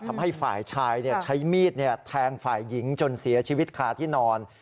ทำให้ฝ่ายชายใช้มีดแทงฝ่ายหญิงจนเสียชีวิตคาที่นอน